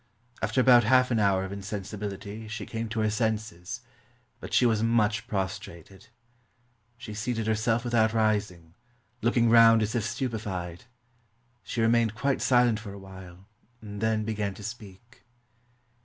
After about half an hour of insensibility 430 CONSULTING THE MAN IN THE MOON she came to her senses, but she was much prostrated. She seated herself without rising, looking round as if stupefied. She remained quite silent for a while, and then began to speak.